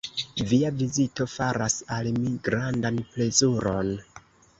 Via vizito faras al mi grandan plezuron.